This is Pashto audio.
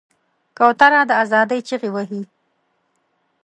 کوتره د آزادۍ چیغې وهي.